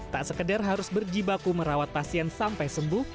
tak sekedar harus berjibaku merawat pasien sampai sembuh